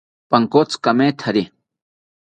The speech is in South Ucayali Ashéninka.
Pankotzi kamethari